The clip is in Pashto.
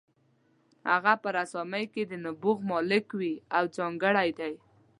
هغه په رسامۍ کې د نبوغ مالک وي او ځانګړی دی.